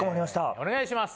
お願いします。